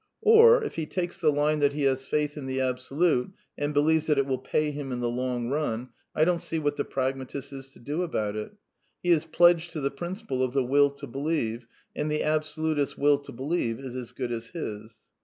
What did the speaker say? Or, if he takes the line that he has faith in the Absolute, and be lieves that it wiU pay him in the long run, I don't see what the pragmatist is to do about it. He is pledged to the principle of the Will to believe, and the absolutist's Will to believe is as good as his.